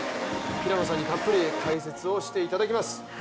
平野さんにたっぷり解説をしていただきます。